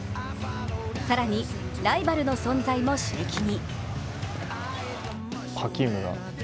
更に、ライバルの存在も刺激に。